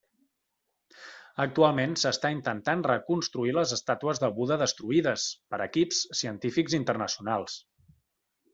Actualment s'està intentant reconstruir les estàtues de Buda destruïdes, per equips científics internacionals.